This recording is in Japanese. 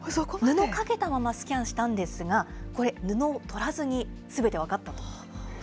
布かけたままスキャンしたんですが、これ、布を取らずにすべて分かったと。